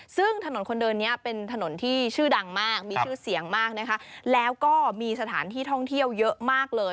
ซึ่งถนนคนเดินนี้เป็นถนนที่ชื่อดังมากมีชื่อเสียงมากนะคะแล้วก็มีสถานที่ท่องเที่ยวเยอะมากเลย